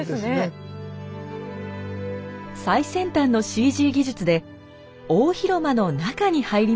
最先端のＣＧ技術で大広間の中に入りました。